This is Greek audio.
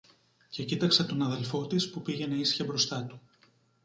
και κοίταξε τον αδελφό της που πήγαινε ίσια μπροστά του